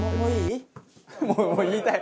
もう言いたい。